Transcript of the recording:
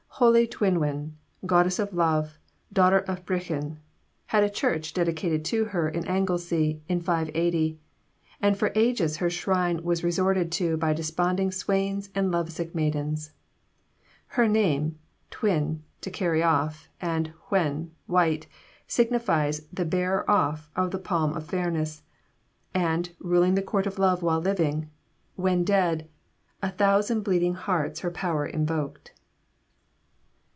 'Holy Dwynwen, goddess of love, daughter of Brychan,' had a church dedicated to her in Anglesea in 590; and for ages her shrine was resorted to by desponding swains and lovesick maidens. Her name Dwyn, to carry off, and wen, white signifies the bearer off of the palm of fairness; and, ruling the court of love while living, when dead A thousand bleeding hearts her power invoked.